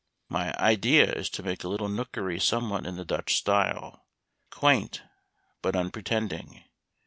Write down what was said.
My idea is to make a little nookery somewhat in the Dutch style, quaint, but unpretending.